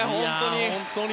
本当に。